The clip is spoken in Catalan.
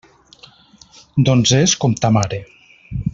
Doncs és com ta mare.